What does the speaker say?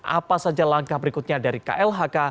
apa saja langkah berikutnya dari klhk